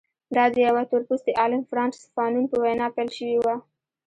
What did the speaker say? دا د یوه تور پوستي عالم فرانټس فانون په وینا پیل شوې وه.